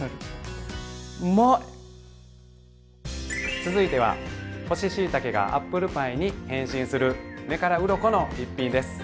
続いては干ししいたけがアップルパイに変身する目からうろこの一品です。